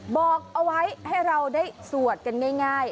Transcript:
บอกเอาไว้ให้เราได้สวดกันง่าย